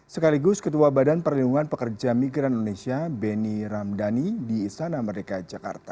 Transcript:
sekaligus ketua badan perlindungan pekerja migran indonesia benny ramdhani di istana merdeka jakarta